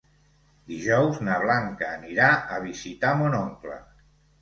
Dijous na Blanca anirà a visitar mon oncle.